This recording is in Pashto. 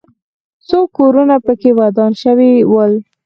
څو کورونه پکې ودان شوي ول.